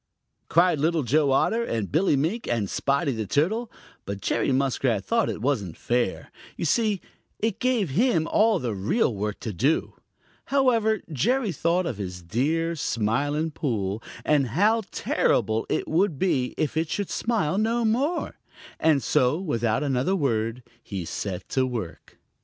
cried Little Joe Otter and Billy Mink and Spotty the Turtle, but Jerry Muskrat thought it wasn't fair. You see, it gave him all of the real work to do. However, Jerry thought of his dear Smiling Pool, and how terrible it would be if it should smile no more, and so without another word he set to work.